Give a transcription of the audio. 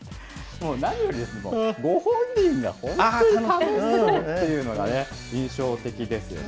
もう何よりご本人が本当に楽しそうっていうのがね、印象的ですよね。